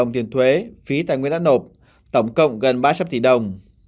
tiền thuế phí tài nguyên đã nộp tổng cộng gần ba trăm linh tỷ đồng